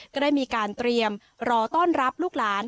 ก็ได้มีการเตรียมรอต้อนรับลูกหลาน